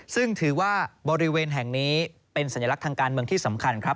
ซึ่งถือว่าบริเวณแห่งนี้เป็นสัญลักษณ์ทางการเมืองที่สำคัญครับ